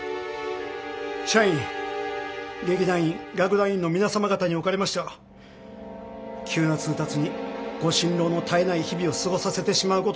社員劇団員楽団員の皆様方におかれましては急な通達にご心労の絶えない日々を過ごさせてしまうことに。